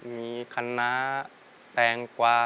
มีคันน้าแตงกวา